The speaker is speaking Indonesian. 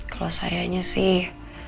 kalau sayangnya sih